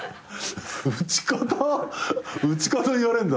打ち方打ち方言われんだ。